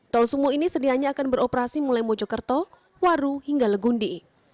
tol sumo ini sedianya akan beroperasi mulai mojokerto waru hingga legundi